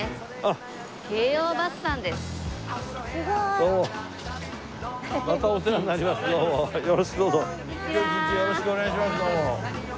今日一日よろしくお願いします。